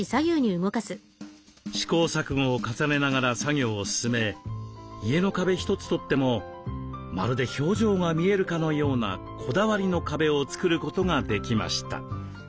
試行錯誤を重ねながら作業を進め家の壁一つとってもまるで表情が見えるかのようなこだわりの壁を作ることができました。